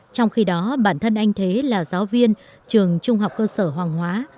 trong khi đó bản thân anh thế là giáo viên trường trung học cơ sở hoàng hóa